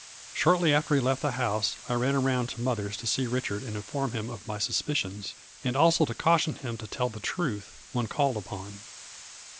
Shortly after he left the house I ran around to mother's to see Richard and inform him of my suspicions, and also to caution him to tell the truth when called upon.